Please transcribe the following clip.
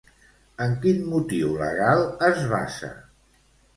En quin motiu legal es basa?